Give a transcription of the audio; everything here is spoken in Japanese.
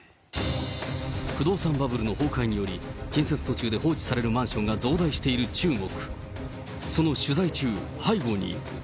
不動産バブルの崩壊により、建設途中で放置されるマンションが増大している中国。